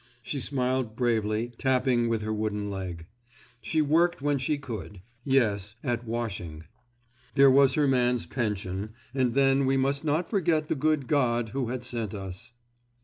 She smiled bravely, tapping with her wooden leg. She worked when she could—yes, at washing. There was her man's pension, and then we must not forget the good God who had sent us.